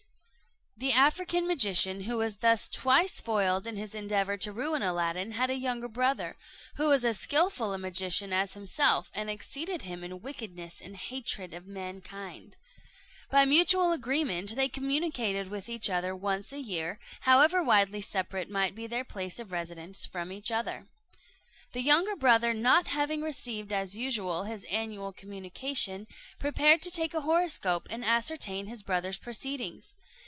The African magician, who was thus twice foiled in his endeavour to ruin Aladdin, had a younger brother, who was as skilful a magician as himself, and exceeded him in wickedness and hatred of mankind. By mutual agreement they communicated with each other once a year, however widely separate might be their place of residence from each other. The younger brother not having received as usual his annual communication, prepared to take a horoscope and ascertain his brother's proceedings.